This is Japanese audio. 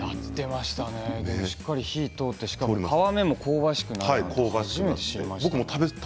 しっかり火が通ってしかも皮目も香ばしくなるの初めて知りました。